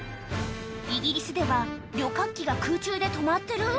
イギリスでは旅客機が空中で止まってる？